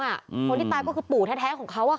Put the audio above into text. คนที่ตายก็คือปู่แท้ของเขา